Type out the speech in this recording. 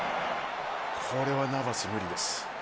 これはナヴァス、無理です。